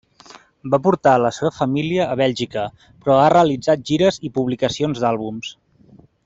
Va portar la seva família a Bèlgica, però ha realitzat gires i publicacions d'àlbums.